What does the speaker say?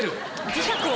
磁石を。